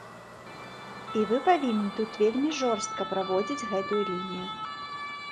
І вы павінны тут вельмі жорстка праводзіць гэтую лінію.